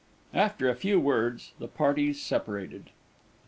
After a few words the parties separated.